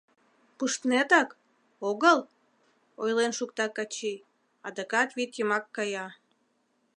— Пуштнетак... огыл? — ойлен шукта Качий, адакат вӱд йымак кая.